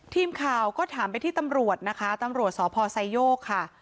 ทีมข่าวก็ถามไปที่ตำรวจนะคะตำรวจสพไซโยกค่ะ